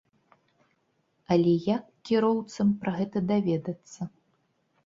Але як кіроўцам пра гэта даведацца?